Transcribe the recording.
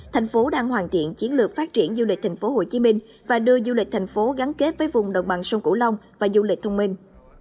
thành phố đang hoàn thiện chiến lược phát triển du lịch thành phố hồ chí minh và đưa du lịch thành phố gắn kết với vùng đồng bằng sông cửu long và du lịch thông minh